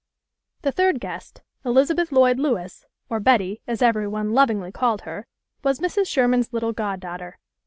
The third guest, Elizabeth Lloyd Lewis, or Betty, as every one lovingly called her, was Mrs. Sherman's little god daughter.